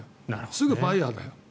すぐバイヤーだよ。